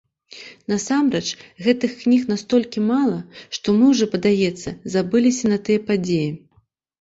Насамрэч гэтых кніг настолькі мала, што мы ўжо, падаецца, забыліся на тыя падзеі.